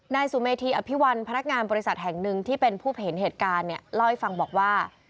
นายสุเมธีอภิวัลพนักงานบริษัทแห่งหนึ่งที่เป็นผู้เห็นเหตุการณ์เนี่ยเล่าให้ฟังบอกว่า